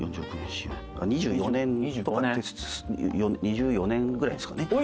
２４年とか２４年ぐらいですかね。